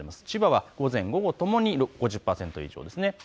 千葉は午前午後ともに５０％以上です。